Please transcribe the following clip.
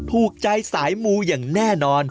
ถูกใจสายมูอย่างแน่นอน